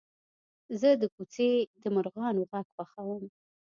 زه د کوڅې د مرغانو غږ خوښوم.